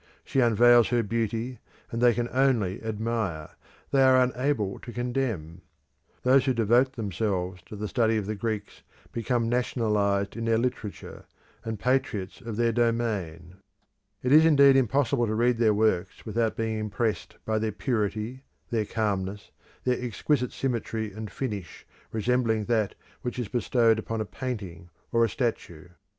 She unveils her beauty, and they can only admire: they are unable to condemn. Those who devote themselves to the study of the Greeks become nationalised in their literature, and patriots of their domain. It is indeed impossible to read their works without being impressed by their purity, their calmness, their exquisite symmetry and finish resembling that which is bestowed upon a painting or a statue.